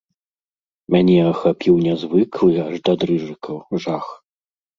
Мяне ахапіў нязвыклы, аж да дрыжыкаў, жах.